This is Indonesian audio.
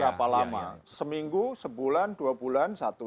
berapa lama seminggu sebulan dua bulan satu bulan